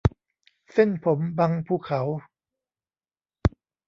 เส้นผมบังภูเขา